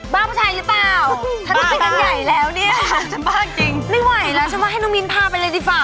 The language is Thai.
บ้าผู้ชายหรือเปล่า